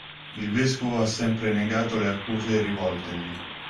Il vescovo ha sempre negato le accuse rivoltegli.